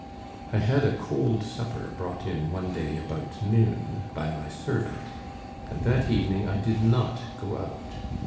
I had a cold supper brought in one day about noon by my servant, and that evening I did not go out.